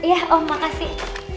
iya om makasih